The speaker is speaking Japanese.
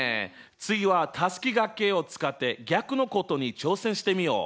次はたすきがけを使って逆のことに挑戦してみよう！